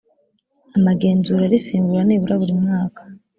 amagenzura arisimbura nibura buri mwaka